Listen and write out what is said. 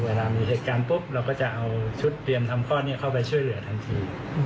เวลามีเหตุการณ์ปุ๊บเราก็จะเอาชุดเตรียมทำข้อนี้เข้าไปช่วยเหลือทันที